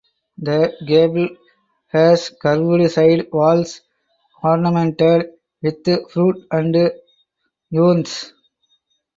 The gable has curved side walls ornamented with fruit and urns.